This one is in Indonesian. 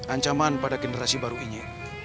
ancaman pada generasi baru ini